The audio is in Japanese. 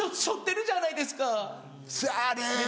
背負ってるじゃないですか。